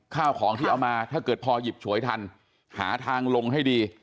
ข้าวของที่เอามาถ้าเกิดพอหยิบฉวยทันหาทางลงให้ดี